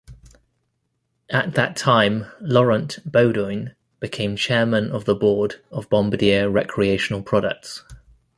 At that time Laurent Beaudoin became chairman of the board of Bombardier Recreational Products.